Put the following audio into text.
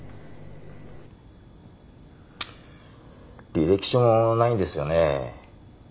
履歴書もないんですよね？